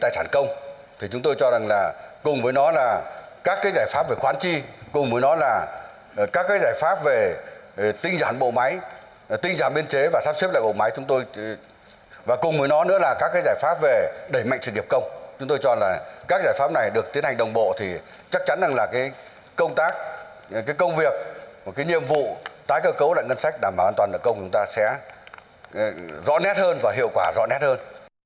các giải pháp về đẩy mạnh sự nghiệp công chúng tôi cho là các giải pháp này được tiến hành đồng bộ thì chắc chắn là công tác công việc nhiệm vụ tái cơ cấu lại ngân sách đảm bảo an toàn công chúng ta sẽ rõ nét hơn và hiệu quả rõ nét hơn